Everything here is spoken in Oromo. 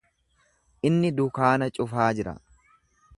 Inni dukaana cufaa jira.